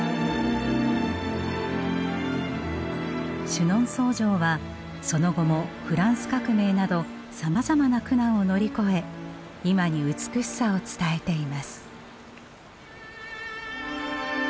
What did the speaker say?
シュノンソー城はその後もフランス革命などさまざまな苦難を乗り越え今に美しさを伝えています。